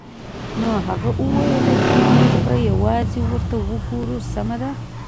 نو هغه وویل چې موږ به یوازې ورته وګورو سمه ده